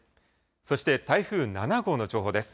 そして、台風７号の情報です。